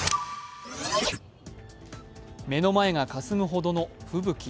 目の前がかすむほどの吹雪。